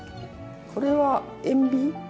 これは塩ビ。